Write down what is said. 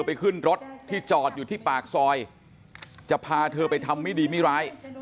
ไปขึ้นรถที่จอดอยู่ที่ปากซอยจะพาเธอไปทำไม่ดีไม่ร้าย